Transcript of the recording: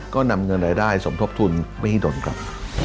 ก็นำเงินรายได้สมทบทุนมหิดลครับ